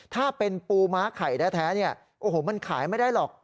ถ้าเป็นปูม้าไข่แท้เนี่ยโอ้โหมันขายไม่ได้หรอก